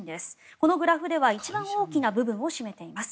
このグラフでは一番大きな部分を占めています。